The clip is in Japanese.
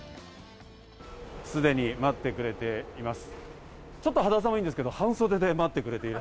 すでに待ってくれています。